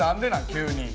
急に。